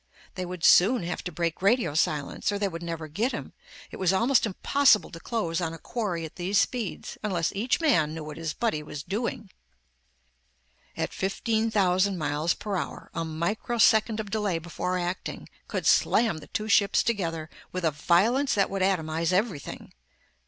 They would soon have to break radio silence, or they would never get him. It was almost impossible to close on a quarry at these speeds, unless each man knew what his buddy was doing. At 15,000 miles per hour, a micro second of delay before acting, could slam two ships together with a violence that would atomize everything.